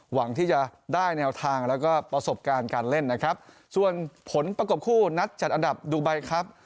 หวังที่จะได้แนวทางแล้วก็ประสบการณ์การเล่นนะครับส่วนผลประกบคู่นัดจัดอันดับดูไบครับ